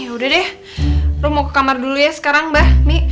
yaudah deh lo mau ke kamar dulu ya sekarang mbah mi